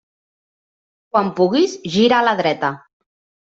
Quan puguis, gira a la dreta.